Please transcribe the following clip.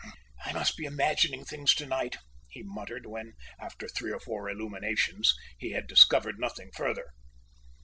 "Humph! I must be imagining things tonight," he muttered, when, after three or four illuminations, he had discovered nothing further.